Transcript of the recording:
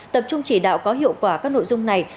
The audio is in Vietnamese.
tập trung chỉ đạo có hiệu quả các nội dung này